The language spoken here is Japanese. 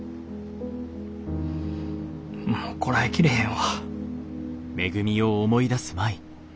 もうこらえきれへんわ。